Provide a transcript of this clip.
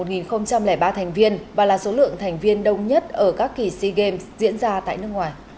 trong một ba thành viên và là số lượng thành viên đông nhất ở các kỳ sea games diễn ra tại nước ngoài